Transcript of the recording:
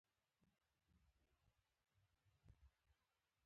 بوتل له زیات ځله کارونې وروسته زوړ کېږي.